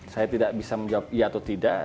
saya tidak bisa menjawab iya atau tidak